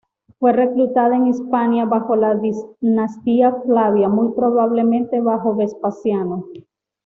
Fue reclutada en "Hispania" bajo la dinastía Flavia, muy probablemente bajo Vespasiano.